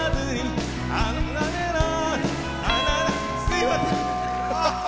すいません。